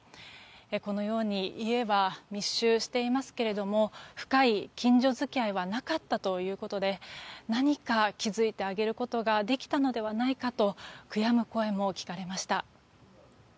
このように家は密集していますけれども深い近所付き合いはなかったということで何か気づいてあげることができたのではないかと悔やむ声も聞かれました。